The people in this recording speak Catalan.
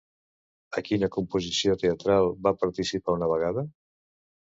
A quina composició teatral va participar una vegada?